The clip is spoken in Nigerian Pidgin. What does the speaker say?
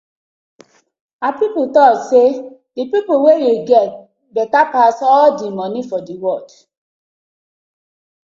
Our pipu tok say dey people wen yu get betta pass all di moni for di world.